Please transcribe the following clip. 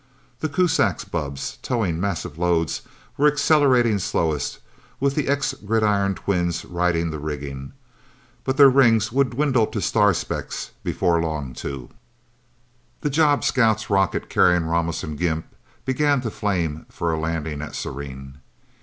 The Kuzaks' bubbs, towing massive loads, were accelerating slowest, with the ex gridiron twins riding the rigging. But their rings would dwindle to star specks before long, too. The job scout's rocket, carrying Ramos and Gimp, began to flame for a landing at Serene.